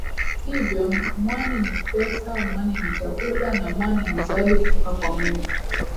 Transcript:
Hivyo Mwani ni pesa Mwani ni chakula na mwani ni zawadi kutoka kwa Mungu